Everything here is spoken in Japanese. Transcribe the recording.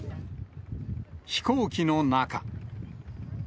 飛行機の中。